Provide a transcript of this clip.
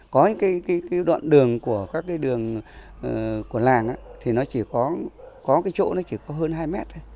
có những đoạn đường của các đường của làng thì nó chỉ có có cái chỗ nó chỉ có hơn hai mét